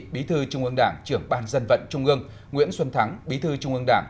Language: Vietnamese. bí thư trung ương đảng trưởng ban dân vận trung ương nguyễn xuân thắng bí thư trung ương đảng